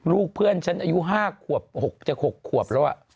ลูกเพื่อนหนู๕ขวบ